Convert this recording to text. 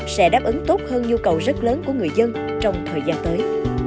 sẽ đáp ứng tốt hơn nhu cầu rất lớn của người dân trong thời gian tới